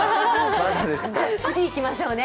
次へいきましょうね。